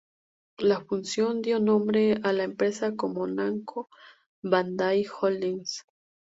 La fusión dio nombre a la empresa como Namco Bandai Holdings.